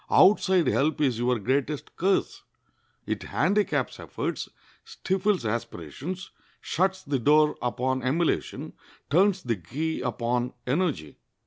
Outside help is your greatest curse. It handicaps efforts, stifles aspirations, shuts the door upon emulation, turns the key upon energy."